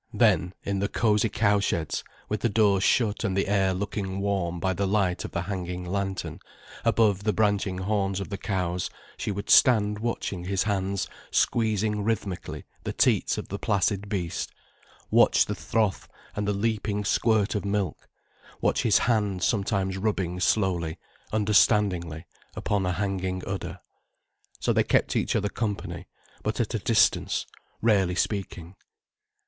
Then, in the cosy cow sheds, with the doors shut and the air looking warm by the light of the hanging lantern, above the branching horns of the cows, she would stand watching his hands squeezing rhythmically the teats of the placid beast, watch the froth and the leaping squirt of milk, watch his hand sometimes rubbing slowly, understandingly, upon a hanging udder. So they kept each other company, but at a distance, rarely speaking.